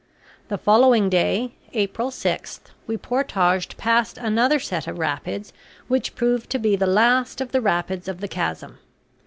The following day, April 6, we portaged past another set of rapids, which proved to be the last of the rapids of the chasm.